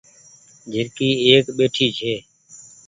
جهرڪي ايڪ ٻهٺي ڇي